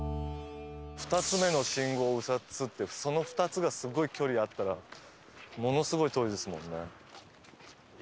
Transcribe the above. ２つ目の信号を右折ってその２つがすごい距離あったらものすごい遠いですもんね。